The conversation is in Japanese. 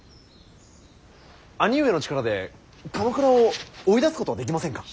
兄上の力で鎌倉を追い出すことはできませんか。